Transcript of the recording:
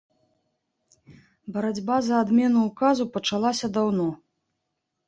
Барацьба за адмену ўказу пачалася даўно.